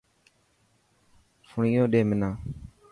فئنيون ڏي منا.